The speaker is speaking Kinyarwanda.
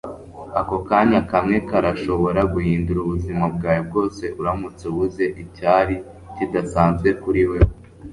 ako kanya kamwe karashobora guhindura ubuzima bwawe bwose uramutse ubuze icyari kidasanzwe kuri wewe